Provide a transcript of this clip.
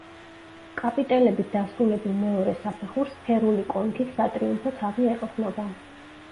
კაპიტელებით დასრულებულ მეორე საფეხურს სფერული კონქის სატრიუმფო თაღი ეყრდნობა.